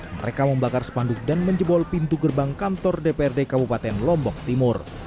mereka membakar spanduk dan menjebol pintu gerbang kantor dprd kabupaten lombok timur